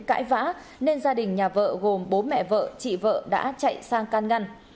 cãi vã nên gia đình nhà vợ gồm bố mẹ vợ chị vợ đã chạy sang can ngăn